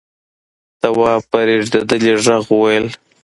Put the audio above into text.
تواب په رېږديدلي غږ وويل: